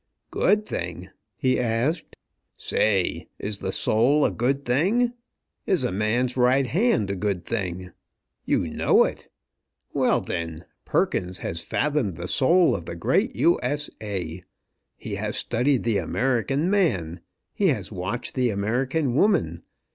"Good thing?" he asked. "Say! Is the soul a good thing? Is a man's right hand a good thing? You know it! Well, then, Perkins has fathomed the soul of the great U. S. A. He has studied the American man. He has watched the American woman.